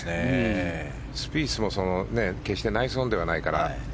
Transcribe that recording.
スピースも決してナイスオンではないから。